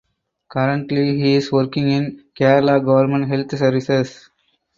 Currently he is working in Kerala Government Health Services.